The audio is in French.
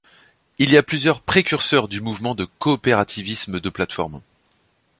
Il y a plusieurs précurseurs du mouvement de coopérativisme de plateformes.